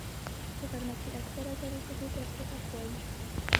په غرمه کې اکثره زړې ښځې تسبيحات وایي